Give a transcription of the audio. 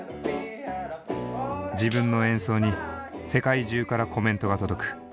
自分の演奏に世界中からコメントが届く。